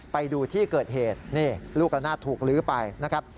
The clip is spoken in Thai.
ไปดูที่เกิดเหตุนี่ลูกละนาดถูกลื้อไปนะครับ